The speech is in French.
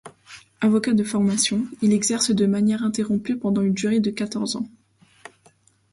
Avocat de formation, il exerce de manière ininterrompue pendant une durée de quatorze ans.